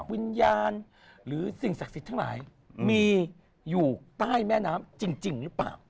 วิญญาณหรือสิ่งศักดิ์สิทธิ์ทั้งหลายมีอยู่ใต้แม่น้ำจริงหรือเปล่า